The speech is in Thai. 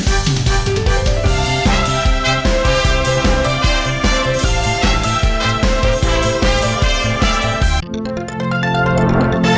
เชฟคุณมากเลยเชฟทำอะไรของเชฟเนี่ย